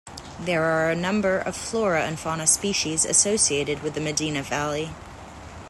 There are a number of flora and fauna species associated with the Medina Valley.